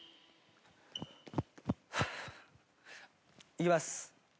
いきます。